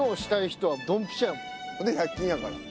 ほんで１００均やから。